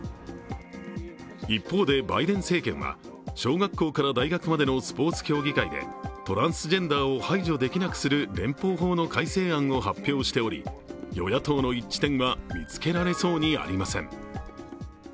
一方で、バイデン政権は小学校から大学までのスポーツ競技会でトランスジェンダーを排除できなくする連邦法の改正案を発表しており与野党の一致点は見つけられそうにありません。